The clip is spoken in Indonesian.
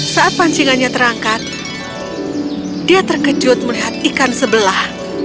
saat pancingannya terangkat dia terkejut melihat ikan sebelah